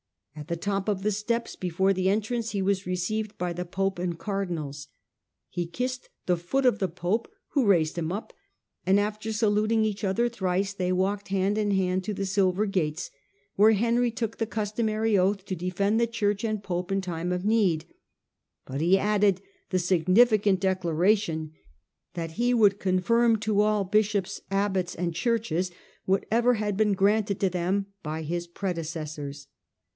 At the top of the steps before the entrance he was received by the pope and cardinals. He kissed the foot of the pope, who raised him up, and after saluting each other thrice, they walked hand in hand to the silver gates, where Henry took the customary oath to defend the Church and pope in time of need ; but he added the significant declara tion that he would confirm to all bishops, abbots, and churches whatever had been granted to them by his predecessors.